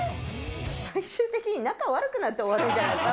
最終的に仲悪くなって終わるんじゃないですか？